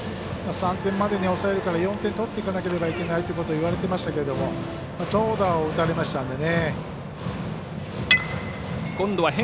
３点までに抑えるから４点取っていかなければいけないと言われてましたけども長打を打たれましたんでね。